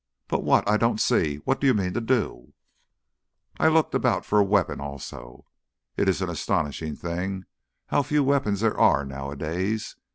"But what ? I don't see. What do you mean to do?" "I looked about for a weapon also. It is an astonishing thing how few weapons there are nowadays.